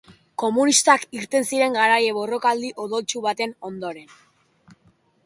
Komunistak irten ziren garaile borrokaldi odoltsu baten ondoren.